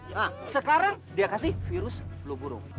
nah sekarang dia kasih virus luburung